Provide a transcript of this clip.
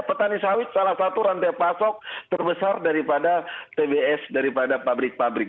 petani sawit salah satu rantai pasok terbesar daripada tbs daripada pabrik pabrik